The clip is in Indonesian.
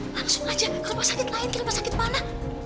langsung aja ke rumah sakit lain kenapa sakit mana